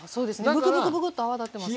ブクブクブクっと泡立ってますが。